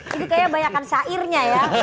itu kayaknya banyakkan sairnya ya